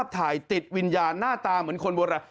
ติดวิญญาณหน้าตาเหมือนคนโบราณ